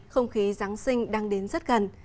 không khí giáng sinh đang đến rất gần